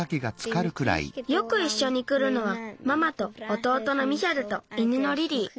よくいっしょにくるのはママとおとうとのミヒャルと犬のリリー。